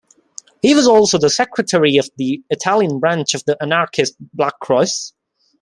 He was also the secretary of the Italian branch of the Anarchist Black Cross.